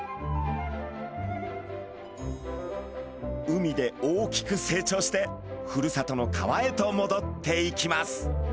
海で大きく成長してふるさとの川へともどっていきます。